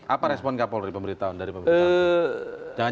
apa respon kapolri pemberitahuan dari pemerintah